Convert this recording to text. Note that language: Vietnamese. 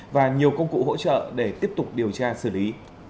và nhiều công cụ hỗ trợ để tiếp tục điều tra xử lý